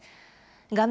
画面